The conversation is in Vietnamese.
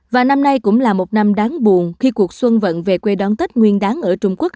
và năm nay cũng là một năm đáng buồn khi cuộc xuân vận về quê đón tết nguyên đáng ở trung quốc